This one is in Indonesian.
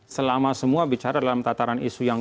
selama semua bicara dalam tataran isu yang